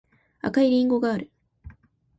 赤いりんごがある